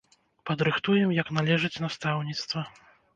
Падрыхтуем як належыць настаўніцтва.